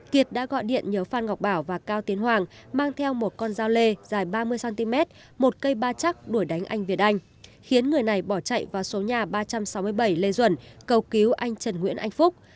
kiệt đã gọi điện nhớ phan ngọc bảo và cao tiến hoàng mang theo một con dao lê dài ba mươi cm một cây ba chắc đuổi đánh anh việt anh khiến người này bỏ chạy vào số nhà ba trăm sáu mươi bảy lê duẩn cầu cứu anh trần nguyễn anh phúc